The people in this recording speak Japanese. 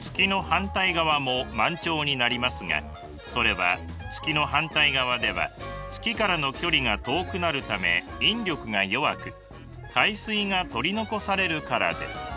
月の反対側も満潮になりますがそれは月の反対側では月からの距離が遠くなるため引力が弱く海水が取り残されるからです。